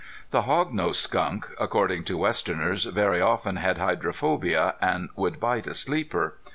The hog nosed skunk, according to westerners, very often had hydrophobia and would bite a sleeper.